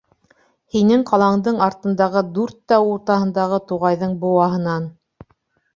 — Һинең ҡалаңдың артындағы дүрт тау уртаһындағы туғайҙың быуаһынан.